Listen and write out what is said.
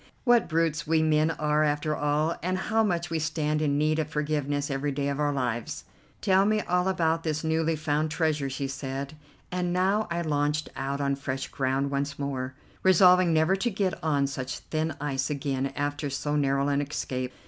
What brutes we men are after all, and how much we stand in need of forgiveness every day of our lives! "Tell me all about this newly found treasure," she said, and now I launched out on fresh ground once more, resolving never to get on such thin ice again after so narrow an escape.